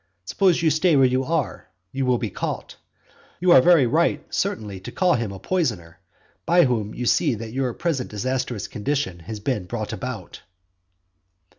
Suppose you stay where you are; you will be caught. You are very right, certainly, to call him a poisoner, by whom you see that your present disastrous condition has been brought about.